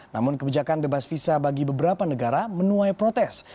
namun kebijakan bebas visa bagi beberapa negara menuai protes